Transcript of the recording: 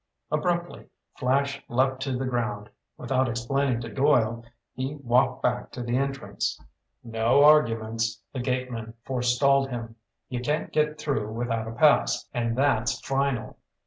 Abruptly, Flash leaped to the ground. Without explaining to Doyle, he walked back to the entrance. "No arguments," the gateman forestalled him. "You can't get through without a pass, and that's final.